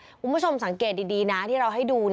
คุณผู้ชมสังเกตดีนะที่เราให้ดู